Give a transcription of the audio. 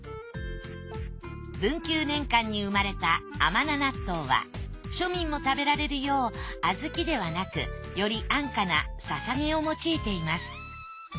文久年間に生まれた甘名納糖は庶民も食べられるよう小豆ではなくより安価なささげを用いています